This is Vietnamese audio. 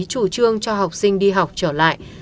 chủ trương cho học sinh đi học trở lại